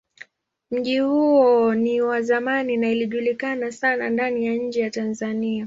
Mji huo ni wa zamani na ilijulikana sana ndani na nje ya Tanzania.